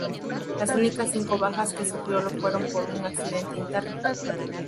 Las únicas cinco bajas que sufrió lo fueron por un accidente interno.